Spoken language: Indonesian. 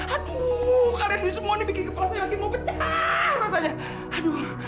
aduh kalian ini semua nih bikin kepala saya makin mau pecah rasanya